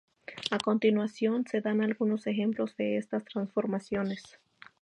A continuación se dan algunos ejemplos de estas transformaciones.